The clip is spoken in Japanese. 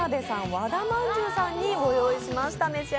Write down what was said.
和田まんじゅうさんにご用意しました。